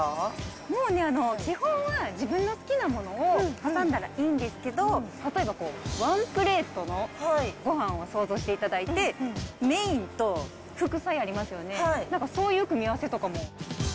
もうね、基本は自分の好きなものを挟んだらいいんですけど、例えば、ワンプレートのごはんを想像していただいて、メインと副菜ありますよね、そういう組み合わせとかも。